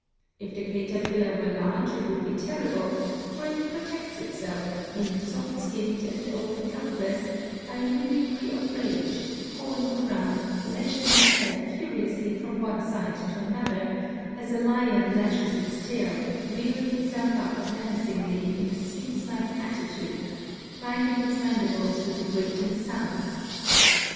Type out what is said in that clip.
If the caterpillar were large it would be terrible, for it protects itself, being soft skinned and often helpless, by a mimicry of rage, pawing the ground, lashing its head furiously from one side to another, as a lion lashes its tail, rearing itself up menacingly in a sphinx like attitude, grinding its mandibles with a grating sound.